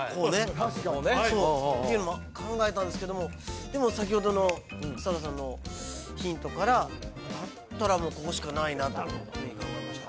確かにっていうのも考えたんですけどもでも先ほどの草野さんのヒントからだったらもうここしかないなというふうに考えました